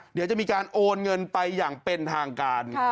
เดี๋ยวจะมีการโอนเงินไปอย่างเป็นทางการ